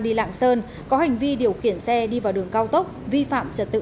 đi lạng sơn có hành vi điều khiển xe đi vào đường cao tốc vi phạm trật tự